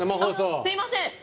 すいません！